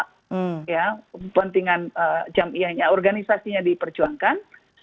kepentingan jam iya organisasinya diperjuangkan